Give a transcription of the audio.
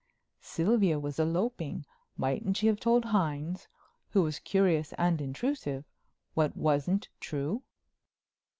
"Sylvia was eloping. Mightn't she have told Hines—who was curious and intrusive—what wasn't true?"